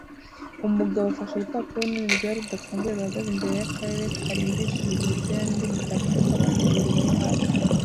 Umugabo afashe urupapuro runini rwera rudafunguye ruhagaze imbere yakarere karimbishijwe imipira nindi mitako kuko abana babiri bari hafi